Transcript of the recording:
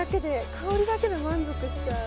香りだけで満足しちゃう。